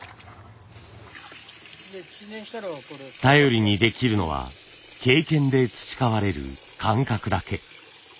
頼りにできるのは経験で培われる感覚だけ。